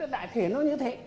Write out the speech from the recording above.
đại thể nó như thế